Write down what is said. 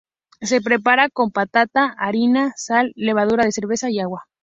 Se prepara con patata, harina, sal, levadura de cerveza y agua.